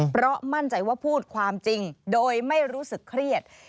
เพราะมั่นใจว่าพูดความจริงโดยไม่รู้สึกเครียด